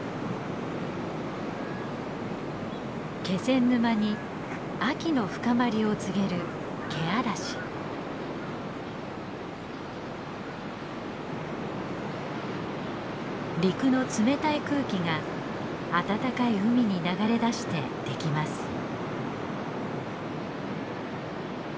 気仙沼に秋の深まりを告げる陸の冷たい空気が温かい海に流れ出してできます。